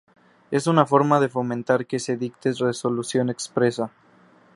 Es una forma de fomentar que se dicte resolución expresa.